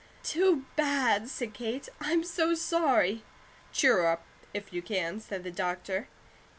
"Too bad!" said Kate. "I'm so sorry!" "Cheer her up, if you can," said the doctor.